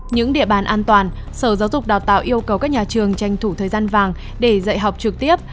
những địa bàn an toàn sở giáo dục đào tạo yêu cầu các nhà trường tranh thủ thời gian vàng để dạy học trực tiếp